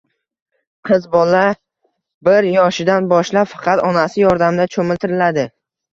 Qiz bola bir yoshidan boshlab faqat onasi yordamida cho‘miltiriladi.